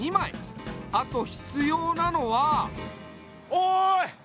おい！